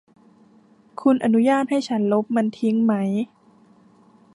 คุณอนุญาตให้ฉันลบมันทิ้งไหม ?